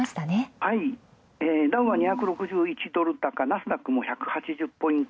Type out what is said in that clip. はい、ダウは２１６ドル高ナスダックも１８０ポイント